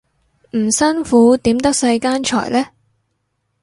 唔辛苦點得世間財呢